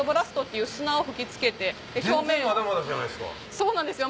そうなんですよ。